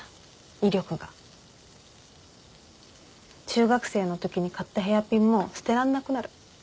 中学生のときに買ったヘアピンも捨てらんなくなる。